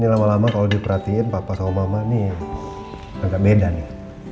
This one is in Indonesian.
ini lama lama kalau diperhatiin papa sama mama nih agak beda nih